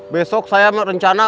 besok saya merencana